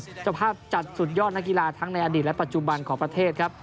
เจ้าภาพจัดสุดยอดนักกีฬาทั้งในอดีตและปัจจุบันของประเทศครับ